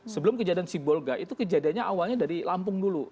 sebelum kejadian sibolga itu kejadiannya awalnya dari lampung dulu